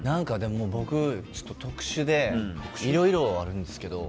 僕、ちょっと特殊でいろいろあるんですけど。